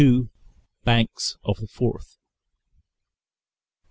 Banks of the Forth.